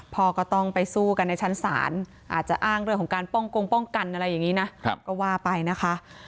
พ่อก็ต้องไปสู้กันในชั้นศาลอาจจะอ้างเรื่องของการป้องกงป้องกันอะไรอย่างนี้นะก็ว่าไปนะคะ